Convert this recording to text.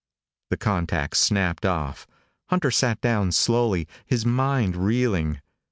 The contact snapped off. Hunter sat down slowly, his mind reeling.